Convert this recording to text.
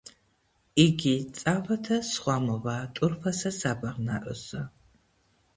გი წავა და სხვა მოვა ტურფასა საბაღნაროსა;